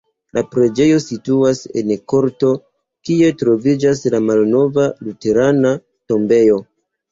La preĝejo situas en korto, kie troviĝas la malnova luterana tombejo.